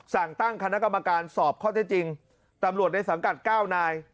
สั่งตั้งคณะกรรมการสอบข้อเท็จจริงตำรวจในสังกัด๙นาย